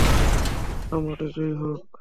সম্রাটের জয় হোক!